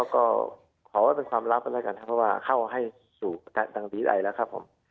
ก็ขอว่าเป็นความลับกันแล้วกันครับเพราะว่าเข้าให้สู่ทางดีไอแล้วครับผม